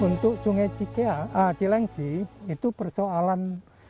untuk sungai cikelengsi itu persoalan